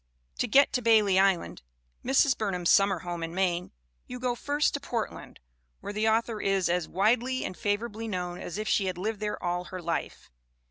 To get to Bailey Island, Mrs. Burnham's summer home in Maine, you go first to Portland, where the author is as "widely and favorably known" as if she had lived there all her life.